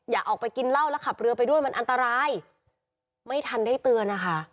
อย่าออกไปกินเหล้าแล้วขับเรือไปด้วยมันอันตรายไม่ทันได้เตือนนะคะ